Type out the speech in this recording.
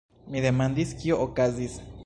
Mi demandis, kio okazis.